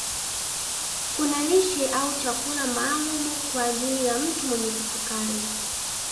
Kuna lishe au chakula maalumu kwa ajili ya mtu mwenye kisukari